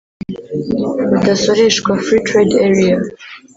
budasoreshwa free trade area